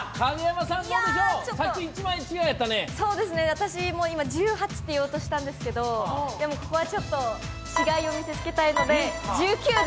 私、今、１８と言おうとしたんですけどでも、ここはちょっと違いを見せつけたいので１９で！